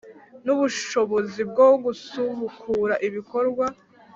N ubushobozi bwo gusubukura ibikorwa